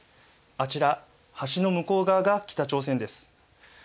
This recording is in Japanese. あちら橋の向こう側が北朝鮮です。